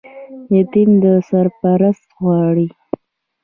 یتیم سرپرست غواړي